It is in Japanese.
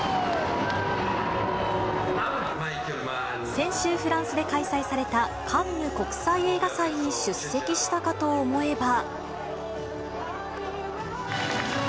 先週、フランスで開催されたカンヌ国際映画祭に出席したかと思えば。